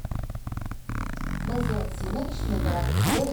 Maziɣ d Sima kecmen-d ɣer tesdawit.